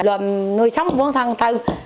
luôn người sống vốn thân thân